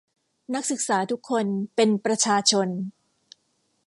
นักศึกษาทุกคนเป็นประชาชน